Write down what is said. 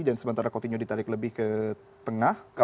dan sementara coutinho ditarik lebih ke tengah